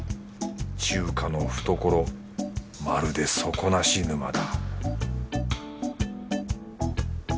中華のふところまるで底なし沼だ